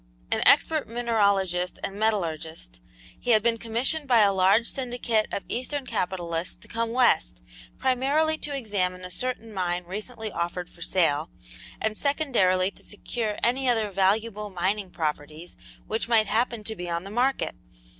An expert mineralogist and metallurgist, he had been commissioned by a large syndicate of eastern capitalists to come west, primarily to examine a certain mine recently offered for sale, and secondarily to secure any other valuable mining properties which might happen to be on the market.